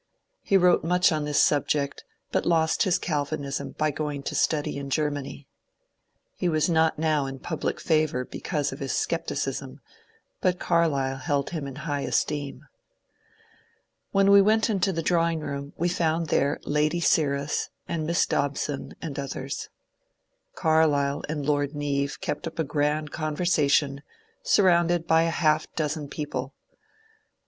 He wrote much on this subject but lost his Cal vinism by going to study in Germany. He was now not in public favour because of his scepticism, but Carlyle held him in high esteem. When we went into the drawing room, we found there Lady Sirras and Miss Dobson and others. Carlyle and Lord Neave kept up a g^nd conversation, surrounded by a half dozen people.